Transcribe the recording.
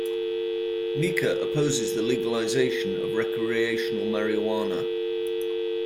Mica opposes the legalization of recreational marijuana.